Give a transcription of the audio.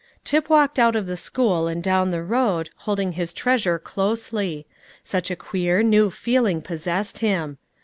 Tip walked out of the school and down the road, holding his treasure closely. Such a queer, new feeling possessed him.